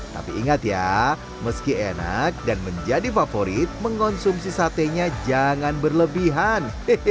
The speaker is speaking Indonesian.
tapi ingat ya meski enak dan menjadi favorit mengonsumsi satenya jangan berlebihan